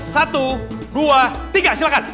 satu dua tiga silahkan